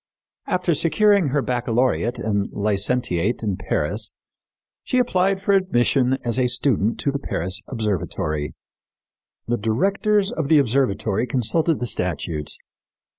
After securing her baccalaureate and licentiate in Paris, she applied for admission as a student to the Paris observatory. "The directors of the observatory consulted the statutes.